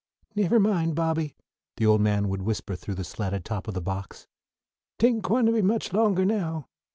"Never mind, Bobby," the old man would whisper through the slatted top of the box. "'Taint gwine to be much longer now.